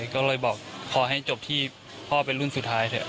ก็เลยบอกขอให้จบที่พ่อเป็นรุ่นสุดท้ายเถอะ